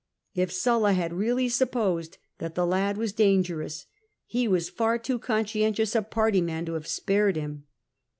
If Sulla had really suppo.sed that the lad was (langei'ona, he was far too conscientious a parly man to have spared him.